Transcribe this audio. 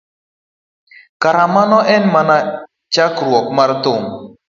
kara mano ne en mana chakruok mar thum